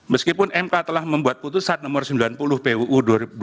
meskipun mk telah membuat putusan nomor sembilan puluh puu dua ribu dua puluh